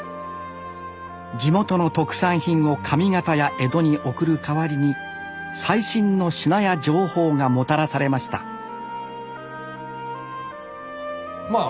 地元の特産品を上方や江戸に送る代わりに最新の品や情報がもたらされましたまあ